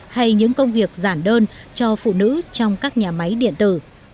hay những công việc giản đơn cho phụ nữ trong các nhà máy điện tử